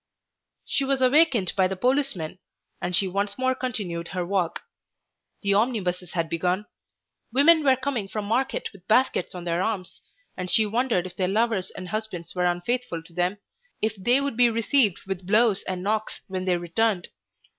She was awakened by the policeman, and she once more continued her walk. The omnibuses had begun; women were coming from market with baskets on their arms; and she wondered if their lovers and husbands were unfaithful to them, if they would be received with blows or knocks when they returned.